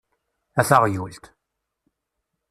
A taɣyult!